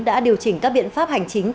đã điều chỉnh các biện pháp hành chính